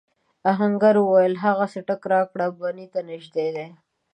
آهنګر وویل هغه څټک راکړه بنۍ ته نږدې دی.